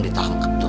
umi yang bener dua